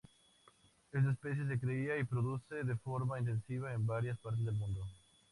Esta especie se cría y produce de forma intensiva en varias partes del mundo.